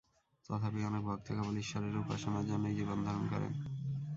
তথাপি অনেক ভক্ত কেবল ঈশ্বরের উপাসনার জন্যই জীবনধারণ করেন।